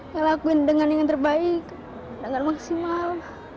melakuin dengan yang terbaik dengan maksimal